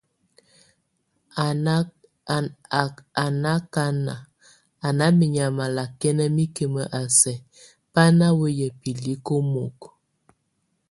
A nakanak, a ná menyama lakɛna mikim a sɛk bá na weyá bilik omok.